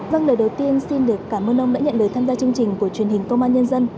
vâng lời đầu tiên xin được cảm ơn ông đã nhận lời tham gia chương trình của truyền hình công an nhân dân